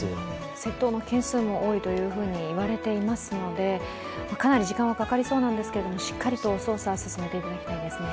窃盗の件数も多いと言われていますので、かなり時間はかかりそうなんですが、しっかりと捜査を進めてもらいたいですね。